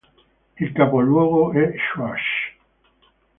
Il capoluogo è Schwaz.